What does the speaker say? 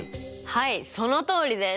はいそのとおりです。